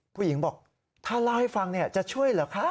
ผู้หญิงบอกถ้าเล่าให้ฟังจะช่วยเหรอคะ